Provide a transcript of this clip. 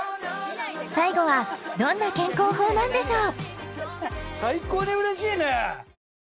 ［最後はどんな健康法なんでしょう？］